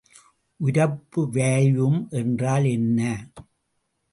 உரப்பு வால்யூம் என்றால் என்ன?